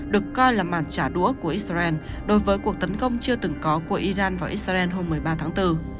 được coi là màn trả đũa của israel đối với cuộc tấn công chưa từng có của iran vào israel hôm một mươi ba tháng bốn